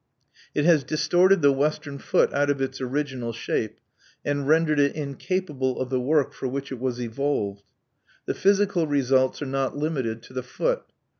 It has distorted the Western foot out of the original shape, and rendered it incapable of the work for which it was evolved. The physical results are not limited to the foot.